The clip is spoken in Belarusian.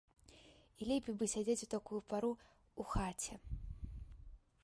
І лепей ба сядзець у такую пару ў хаце.